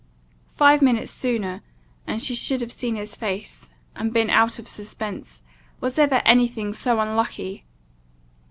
Five minutes sooner, and she should have seen his face, and been out of suspense was ever any thing so unlucky!